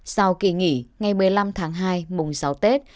sau kỳ nghỉ ngày một mươi năm tháng hai mùng sáu tết